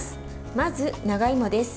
まず長芋です。